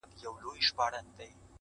• خر پر خپل، آس به پر خپل ځای وي تړلی -